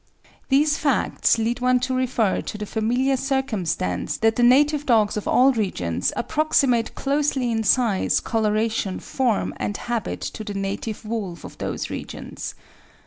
These facts lead one to refer to the familiar circumstance that the native dogs of all regions approximate closely in size, coloration, form, and habit to the native wolf of those regions.